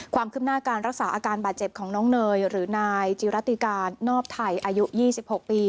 ความคืบหน้าการรักษาอาการบาดเจ็บของน้องเนยหรือนายจิรติการนอบไทยอายุ๒๖ปี